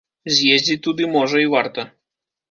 З'ездзіць туды, можа, і варта.